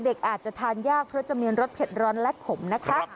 เด็กอาจจะทานยากเพราะจะมีรสเผ็ดร้อนและขมนะคะ